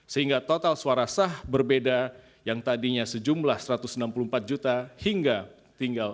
sehingga total suara sah berbeda yang tadinya sejumlah satu ratus enam puluh empat juta hingga tinggal enam puluh delapan dua belas tujuh ratus delapan puluh empat